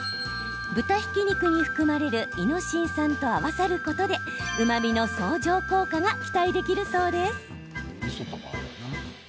豚ひき肉に含まれるイノシン酸と合わさることでうまみの相乗効果が期待できるそうです。